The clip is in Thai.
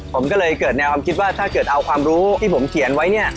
ผมก็เลยเกิดแนวความคิดว่าถ้าเกิดเอาความรู้ที่ผมเขียนไว้เนี่ย